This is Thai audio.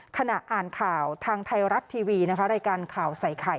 ขณะอ่านข่าวทางไทยรัฐทีวีนะคะรายการข่าวใส่ไข่